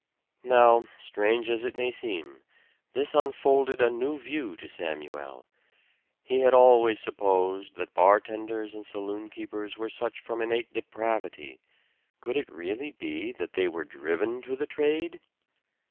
Now, strange as it may seem, this unfolded a new view to Samuel. He had always supposed that bartenders and saloonkeepers were such from innate depravity. Could it really be that they were driven to the trade?